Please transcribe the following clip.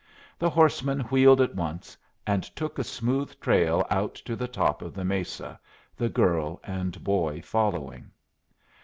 The horseman wheeled at once, and took a smooth trail out to the top of the mesa, the girl and boy following.